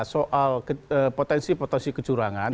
soal potensi potensi kecurangan